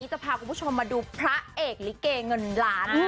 จะพาคุณผู้ชมมาดูพระเอกลิเกเงินล้าน